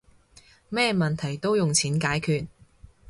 咩問題都用錢解決